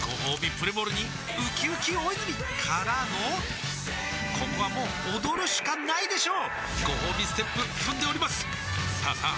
プレモルにうきうき大泉からのここはもう踊るしかないでしょうごほうびステップ踏んでおりますさあさあ